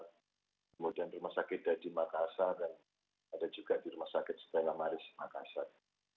kemudian rumah sakit daya di makassar dan ada juga di rumah sakit setella maris makassar